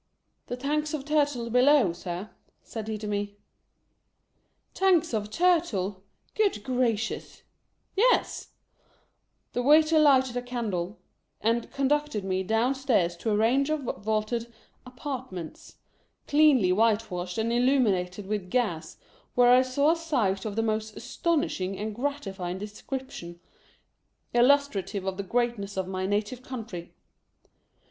"The tanks of Turtle below, Sir," said he to me. Tanks of Turtle ! Good Gracious !" Yes !" The waiter lighted a candle, and conducted me down stairs to a range of vaulted apartments, cleanly whitewashed and illuminated' with gas, where I saw a sight of the most astonishing and gratifying description; illustrative of the greatness of my native country.